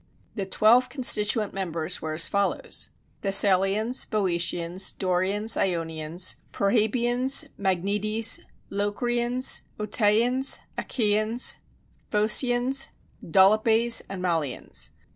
The twelve constituent members were as follows: Thessalians, Boeotians, Dorians, Ionians, Perrhæbians, Magnetes, Locrians, Oetæans, Achæans, Phocians, Dolopes, and Malians.